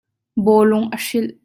Bawlung a hrilh.